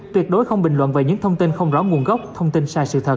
tuyệt đối không bình luận về những thông tin không rõ nguồn gốc thông tin sai sự thật